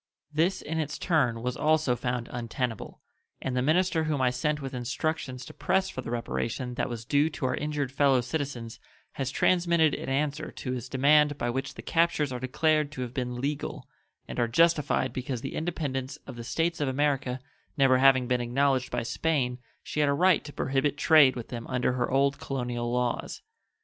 This, in its turn, was also found untenable, and the minister whom I sent with instructions to press for the reparation that was due to our injured fellow citizens has transmitted an answer to his demand by which the captures are declared to have been legal, and are justified because the independence of the States of America never having been acknowledged by Spain she had a right to prohibit trade with them under her old colonial laws.